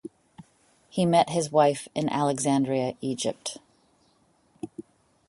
He met his wife in Alexandria, Egypt.